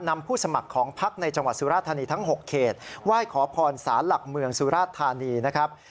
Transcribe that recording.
ผู้สมัครของพักในจังหวัดสุราธานีทั้ง๖เขตไหว้ขอพรศาลหลักเมืองสุราชธานีนะครับ